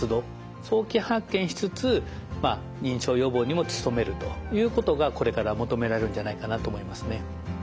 早期発見しつつ認知症予防にも務めるということがこれから求められるんじゃないかなと思いますね。